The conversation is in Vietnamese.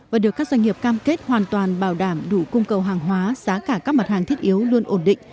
và được các doanh nghiệp cam kết hoàn toàn bảo đảm đủ cung cầu hàng hóa giá cả các mặt hàng thiết yếu luôn ổn định